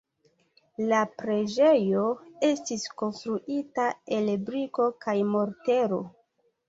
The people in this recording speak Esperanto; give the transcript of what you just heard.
La preĝejo estis konstruita el briko kaj mortero.